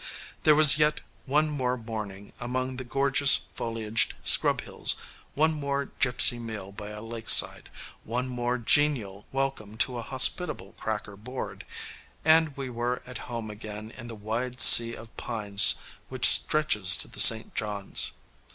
There was yet one more morning among the gorgeous foliaged "scrub hills," one more gypsy meal by a lakeside, one more genial welcome to a hospitable Cracker board, and we were at home again in the wide sea of pines which stretches to the St. John's.